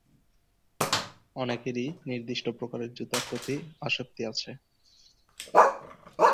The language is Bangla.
অনেকেরই নির্দিষ্ট প্রকারের জুতার প্রতি আসক্তি আছে।